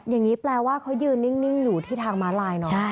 อย่างนี้แปลว่าเขายืนนิ่งอยู่ที่ทางม้าลายเนาะ